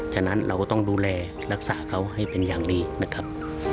ฉะนั้นเราก็ต้องดูแลรักษาเขาให้เป็นอย่างดีนะครับ